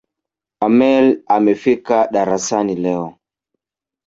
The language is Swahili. Ameir amefika darasani leo